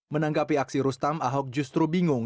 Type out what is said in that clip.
menanggapi aksi rustam ahok justru bingung